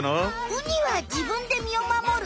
ウニはじぶんで身を守る。